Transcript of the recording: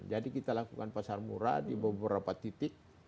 jadi kita lakukan pasar murah di beberapa titik